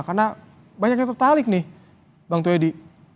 karena banyak yang tertalik nih bang tuedi